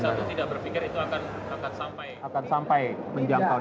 jadi pada saat itu tidak berpikir itu akan sampai menjangkau dpd